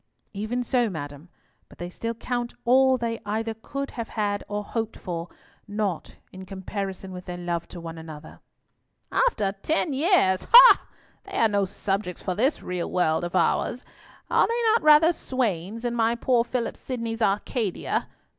"Even so, madam; but they still count all they either could have had or hoped for, nought in comparison with their love to one another." "After ten years! Ha! They are no subjects for this real world of ours; are they not rather swains in my poor Philip Sidney's Arcadia?